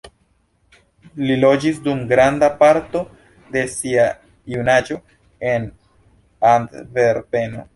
Li loĝis dum granda parto de sia junaĝo en Antverpeno.